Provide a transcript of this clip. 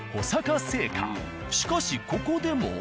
しかしここでも。